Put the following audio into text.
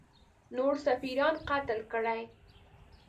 نور سفیران قتل کړي.